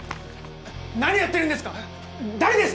何やってるんですか誰ですか？